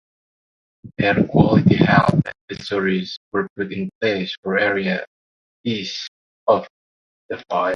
Air quality health advisories were put in place for areas east of the fire.